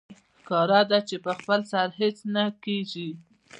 ښکاره ده چې په خپل سر هېڅ نه کېږي